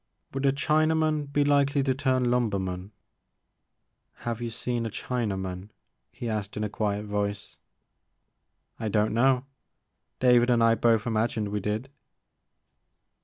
Would a Chinaman be likely to turn Itunber man?'* *' Have you seen a Chinaman ?" he asked in a quiet voice. I don't know; David and I both imagined we did.''